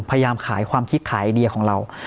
พยายามขายความคิดขายไอเดียของเรา